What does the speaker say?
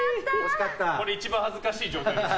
一番恥ずかしい状態です。